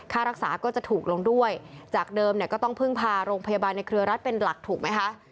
ค่ารักษาก็จะถูกลงด้วยจากเดิมเนี่ยก็ต้องพึ่งพาโรงพยาบาลในเครือรัฐเป็นหลักถูกไหมคะ